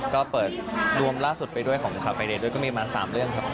ก็เปิดรวมล่าสุดไปด้วยของคาเฟนด้วยก็มีมา๓เรื่องครับ